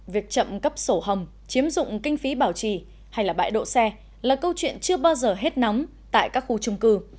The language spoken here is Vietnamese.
việc chậm cấp sổ hồng chiếm dụng kinh phí bảo trì hay là bãi độ xe là câu chuyện chưa bao giờ hết nóng tại các khu chung cư